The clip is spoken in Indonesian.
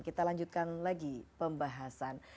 kita lanjutkan lagi pembahasan